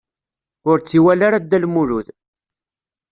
Ur tt-iwala ara Dda Lmulud.